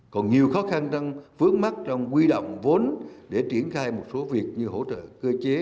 còn nhiều khó khăn tăng phướng mắt trong quy động vốn để triển khai một số việc như hỗ trợ cơ chế